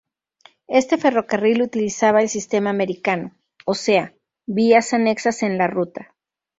Este ferrocarril utilizaba el sistema americano, o sea, vías anexas en la ruta.